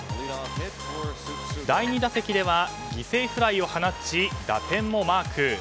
第２打席では犠牲フライを放ち打点もマーク。